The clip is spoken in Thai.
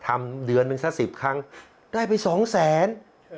ทำเดือนหนึ่งซะ๑๐ครั้งได้ไป๒๐๐๐๐๐บาท